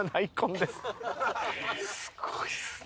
すごいですね。